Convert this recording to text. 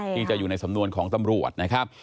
ที่จะอยู่ในสำนวนของตำรวจนะครับ